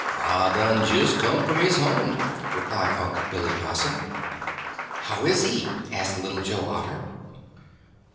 "Ah done jes' come from his home," replied Unc' Billy Possum. "How is he?" asked Little Joe Otter.